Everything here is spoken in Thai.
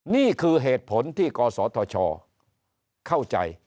นี่คือเหตุผลที่กศธชเข้าใจ